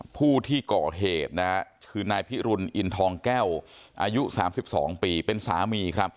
ผู้ที่ก่อเหตุนะคือนายพิรุณอินทองแก้วอายุ๓๒ปีเป็นสามีครับ